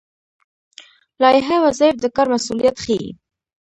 لایحه وظایف د کار مسوولیت ښيي